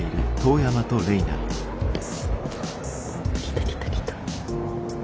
来た来た来た。